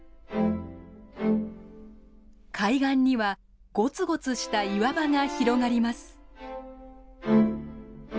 海岸にはごつごつした岩場が広がります。